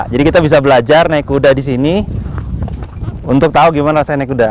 jadi kita bisa belajar naik kuda di sini untuk tahu gimana rasanya naik kuda